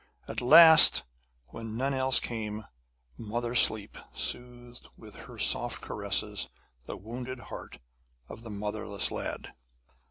At last, when none else came, Mother Sleep soothed with her soft caresses the wounded heart of the motherless lad.